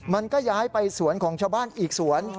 มันก็ย้ายไปสวนของชาวบ้านอีกสวน